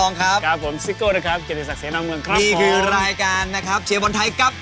นี่คือรายการเชียร์บนไทยกับ